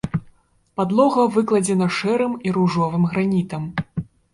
Падлога выкладзена шэрым і ружовым гранітам.